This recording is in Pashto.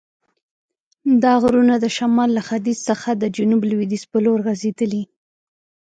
دا غرونه د شمال له ختیځ څخه د جنوب لویدیځ په لور غزیدلي.